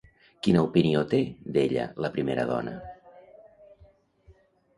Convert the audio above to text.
Quina opinió té d'ella la primera dona?